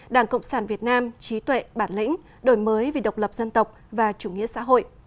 đảng cộng sản việt nam trí tuệ bản lĩnh đổi mới vì độc lập dân tộc và chủ nghĩa xã hội